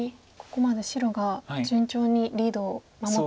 ここまで白が順調にリードを守って。